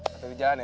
sampai berjalan ya